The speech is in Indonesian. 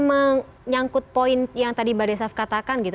menyangkut poin yang tadi mbak desaf katakan gitu